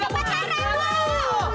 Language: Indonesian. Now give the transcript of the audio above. kuponnya udah borna